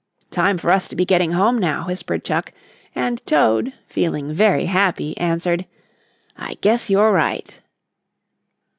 "Time for us to be getting home now," whispered Chuck, and Toad, feeling very happy, answered: "I guess you're right."